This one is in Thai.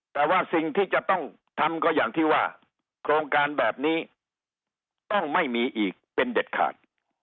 แต่ว่าสิ่งที่จะต้องทำก็อย่างที่ว่าโครงการแบบนี้ต้องไม่มีอีกเป็นเด็ดขาด